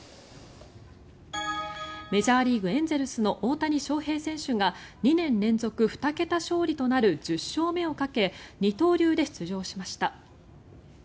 メジャーリーグ、エンゼルスの大谷翔平選手が２年連続２桁勝利となる１０勝目をかけ二刀流で出場しました。